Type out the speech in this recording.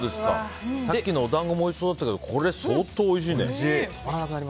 さっきのお団子もおいしそうだったけどこれも相当おいしいね。